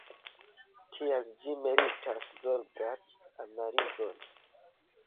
Tial ĝi meritas zorgan analizon.